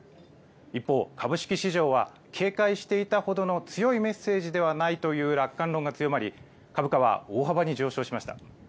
一方、株式市場は警戒していたほどの強いメッセージではないという楽観論が強まり、株価は大幅に上昇しました。